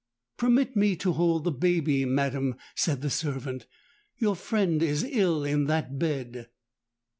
'Permit me to hold the baby, madam,' said the servant; 'your friend is ill in that bed.'